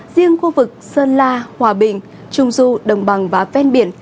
riêng khu vực sơn la hòa bình trung du đồng bằng và ven biển